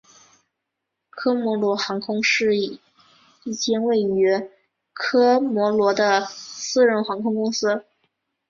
科摩罗航空是一间位于科摩罗的私人航空公司。